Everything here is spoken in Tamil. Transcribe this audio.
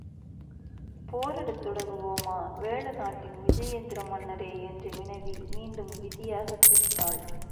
போரிடத் தொடங்குவோமா, வேழநாட்டின் விஜயேந்திர மன்னரே? என்று வினவி, மீண்டும் விதியாகச் சிரித்தாள்.